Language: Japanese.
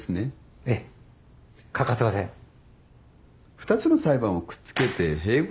２つの裁判をくっつけて併合審理に。